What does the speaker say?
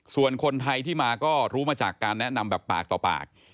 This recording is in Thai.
ส่วนคนไทยที่มาก็รู้มาจากการแนะนำแบบปากต่อปาก